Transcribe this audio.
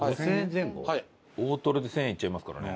大トロで１０００円いっちゃいますからね。